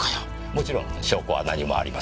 もちろん証拠は何もありません。